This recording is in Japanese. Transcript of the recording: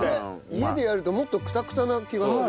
家でやるともっとクタクタな気がする。